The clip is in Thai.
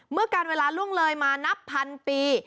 เมื่อการเวลาล่วงเลยมานับพันปี